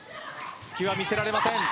隙は見せられません。